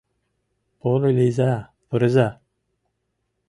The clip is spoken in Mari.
— Порылийза, пурыза.